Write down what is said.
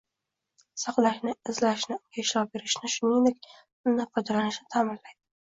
saqlashni, izlashni, unga ishlov berishni, shuningdek undan foydalanishni ta’minlaydi.